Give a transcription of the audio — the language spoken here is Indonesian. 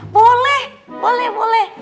boleh boleh boleh